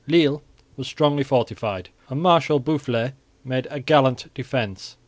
Lille was strongly fortified, and Marshal Boufflers made a gallant defence.